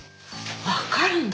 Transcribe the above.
わかるんだ？